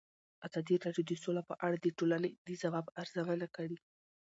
ازادي راډیو د سوله په اړه د ټولنې د ځواب ارزونه کړې.